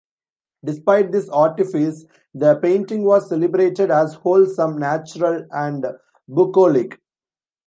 Despite this artifice, the painting was celebrated as wholesome, natural and bucolic.